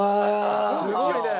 すごいね。